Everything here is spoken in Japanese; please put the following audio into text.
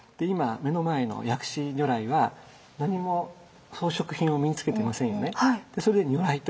今目の前の薬師如来は何も装飾品を身につけていませんよね。